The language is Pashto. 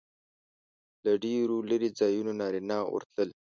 له ډېرو لرې ځایونو نارینه ورتلل.